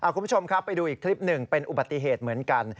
คุณผู้ชมครับไปดูอีกคลิปหนึ่งเป็นอุบัติเหตุเหมือนกัน